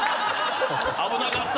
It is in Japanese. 危なかった！